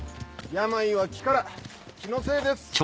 病は気から気のせいです。